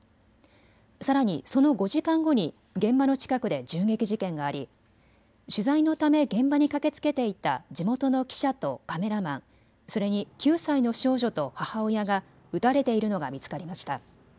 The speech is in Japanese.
さらにその５時間後に現場の近くで銃撃事件があり取材のため現場に駆けつけていた地元の記者とカメラマン、それに９歳の少女と母親が撃たれているのが見つかりました。